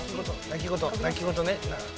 泣き言ね。